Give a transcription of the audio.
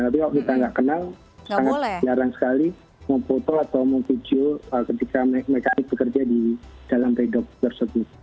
tapi kalau kita nggak kenal sangat jarang sekali memfoto atau memvideo ketika mekanik bekerja di dalam pedok tersebut